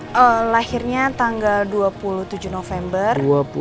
lahirnya tanggal dua puluh tujuh november